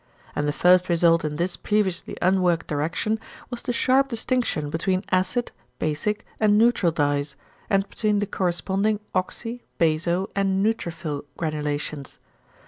And the first result in this previously unworked direction, was the sharp distinction between acid, basic, and neutral dyes, and between the corresponding, oxy , baso , and neutrophil granulations.